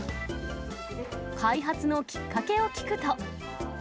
開発のきっかけを聞くと。